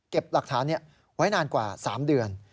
หลักฐานนี้ไว้นานกว่า๓เดือน